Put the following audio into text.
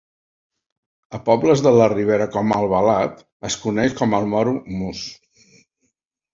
A pobles de la Ribera com Albalat es coneix com el Moro Mus.